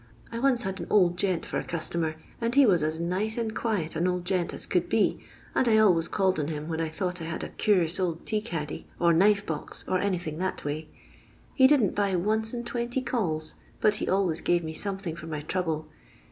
I once had a old gent for a customer, and he was as nice and quiet a old gent as could be, and I always called on him when I thought I bad a cnrus old tea caddy, or knife box, or any thing that way. He didn't buy once in twenty calls, but he always gave me something for my trouble.